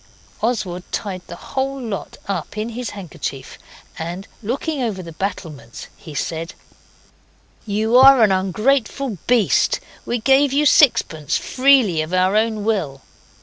Oswald tied the whole lot up in his handkerchief, and looking over the battlements, he said 'You are an ungrateful beast. We gave you sixpence freely of our own will.